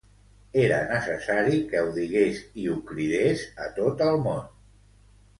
Era necessari que ho digués i ho cridés a tot el món!